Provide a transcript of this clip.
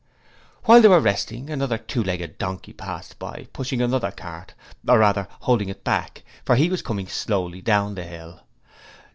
While they were resting, another two legged donkey passed by pushing another cart or rather, holding it back, for he was coming slowly down the hill.